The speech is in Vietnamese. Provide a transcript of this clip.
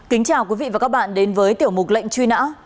kính chào quý vị và các bạn đến với tiểu mục lệnh truy nã